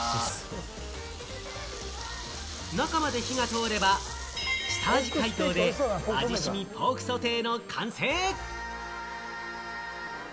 中まで火が通れば下味解凍で味しみポークソテーの完成。